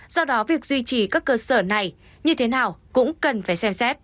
do đó việc duy trì các cơ sở này như thế nào cũng cần phải xem xét